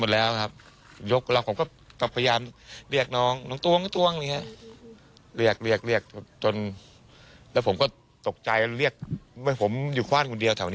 แล้วลุกไปลุกมาอยู่อย่างเงี้ย